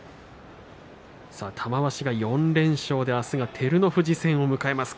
玉鷲が４連勝で明日は照ノ富士戦を迎えます。